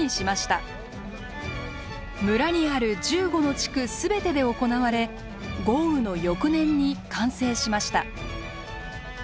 村にある１５の地区全てで行われ豪雨の翌年に完成しました。